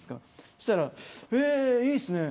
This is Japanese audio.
そうしたらいいっすね。